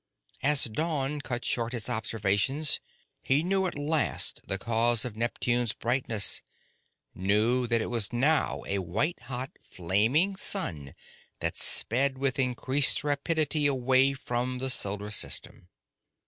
As dawn cut short his observations, he knew at last the cause of Neptune's brightness, knew that it was now a white hot flaming sun that sped with increased rapidity away from the solar system.